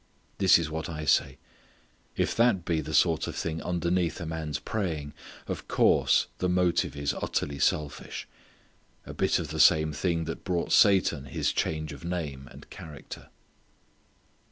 This is what I say: if that be the sort of thing underneath a man's praying of course the motive is utterly selfish; a bit of the same thing that brought Satan his change of name and character.